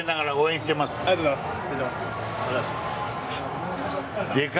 ありがとうございます。